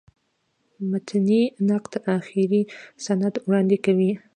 متني نقد آخري سند وړاندي کوي.